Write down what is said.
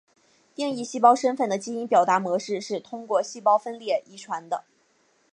定义细胞身份的基因表达模式是通过细胞分裂遗传的。